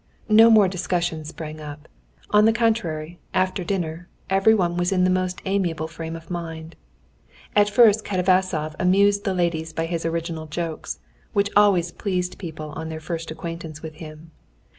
No more discussions sprang up; on the contrary, after dinner everyone was in the most amiable frame of mind. At first Katavasov amused the ladies by his original jokes, which always pleased people on their first acquaintance with him.